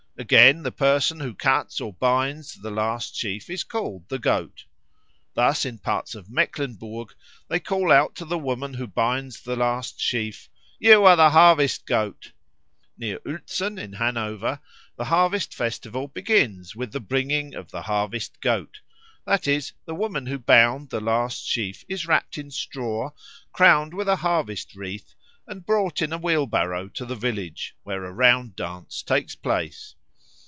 Again, the person who cuts or binds the last sheaf is called the Goat. Thus, in parts of Mecklenburg they call out to the woman who binds the last sheaf, "You are the Harvest goat." Near Uelzen, in Hanover, the harvest festival begins with "the bringing of the Harvest goat"; that is, the woman who bound the last sheaf is wrapt in straw, crowned with a harvest wreath, and brought in a wheel barrow to the village, where a round dance takes place.